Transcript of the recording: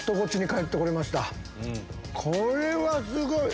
これはすごい！